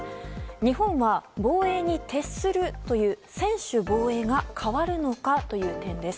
日本は防衛に徹するという専守防衛が変わるのかという点です。